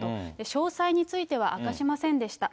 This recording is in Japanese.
詳細については明かしませんでした。